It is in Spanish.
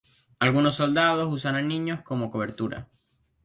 Algunos soldados usan a niños como cobertura.